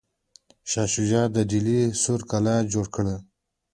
شاه جهان د ډیلي سور کلا جوړه کړه.